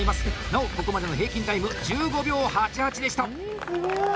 なお、ここまでの平均タイム１５秒８８でした。